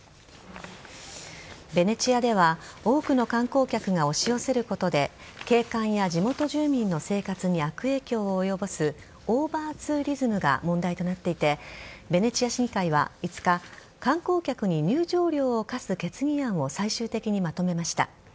ベネチアでは多くの観光客が押し寄せることで景観や地元住民の生活に悪影響を及ぼすオーバーツーリズムが問題となっていてベネチア市議会は５日観光客に入場料を課す決議案を最終的にまとめました。